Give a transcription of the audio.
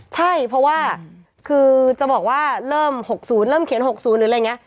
ใช่เพราะว่าคือจะบอกว่าเริ่มหกศูนย์เริ่มเขียนหกศูนย์